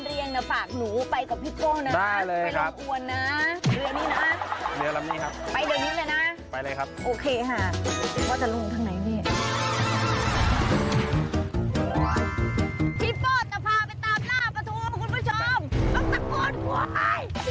พี่ป้อปกติออกไปช่วงเวลาไหนบ้างคะ